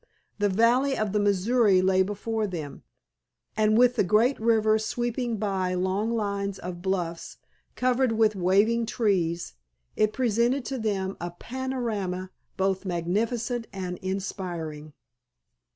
The valley of the Missouri lay before them, and with the great river sweeping by long lines of bluffs covered with waving trees it presented to them a panorama both magnificent and inspiring.